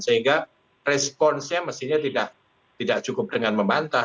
sehingga responsnya mestinya tidak cukup dengan membantah